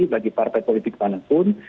bagi partai politik manapun